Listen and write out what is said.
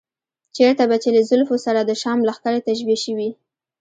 چېرته به چې له زلفو سره د شام لښکرې تشبیه شوې.